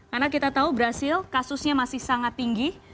karena kita tahu brazil kasusnya masih sangat tinggi